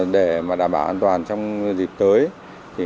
để đảm bảo an toàn trong dịp tới